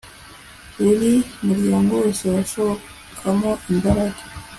Buri muryango wose wasohokamo imbaraga